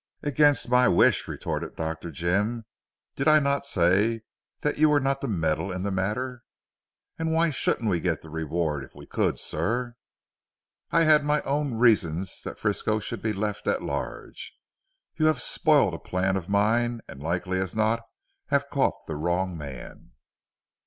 "Against my wish," retorted Dr. Jim, "did I not say, that you were not to meddle in the matter?" "And why shouldn't we get the reward if we could sir?" "I had my own reasons that Frisco should be left at large. You have spoilt a plan of mine, and likely as not have caught the wrong man."